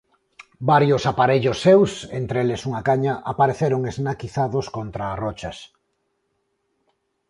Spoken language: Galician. Varios aparellos seus, entre eles unha caña, apareceron esnaquizados contra as rochas.